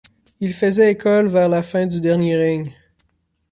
Il faisait école vers la fin du dernier règne.